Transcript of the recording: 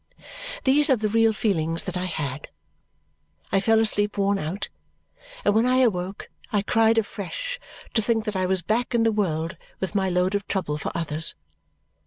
These are the real feelings that I had. I fell asleep worn out, and when I awoke I cried afresh to think that I was back in the world with my load of trouble for others.